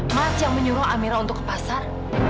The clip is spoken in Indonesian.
mas yang menyuruh amira untuk ke pasar